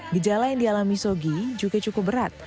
gejala yang dialami sogi juga cukup berat